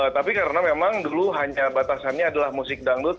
tapi karena memang dulu hanya batasannya adalah musik dangdut